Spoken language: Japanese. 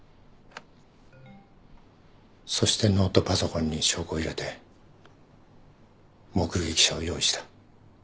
そしてノートパソコンに証拠を入れて目撃者を用意した。